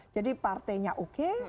jadi partainya oke